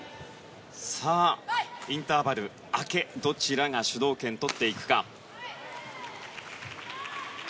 さあ、インターバル明けどちらが主導権をとっていくか。